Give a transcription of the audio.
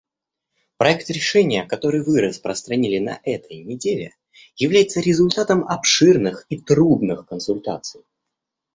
Проект решения, который вы распространили на этой неделе, является результатом обширных и трудных консультаций.